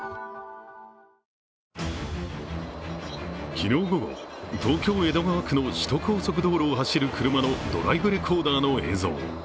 昨日午後、東京・江戸川区の首都高速道路を走る車のドライブレコーダーの映像。